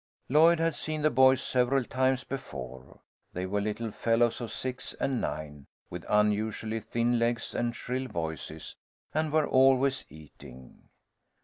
Lloyd had seen the boys several times before. They were little fellows of six and nine, with unusually thin legs and shrill voices, and were always eating.